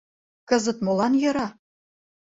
Кызыт молан йӧра?